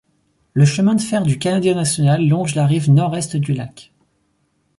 Le chemin de fer du Canadien National longe la rive Nord-Est du lac.